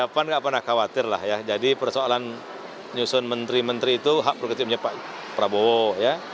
pan nggak pernah khawatir lah ya jadi persoalan nyusun menteri menteri itu hak progrektifnya pak prabowo ya